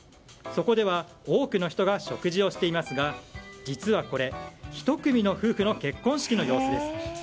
そこでは多くの人が食事をしていますが実はこれ、１組の夫婦の結婚式の様子です。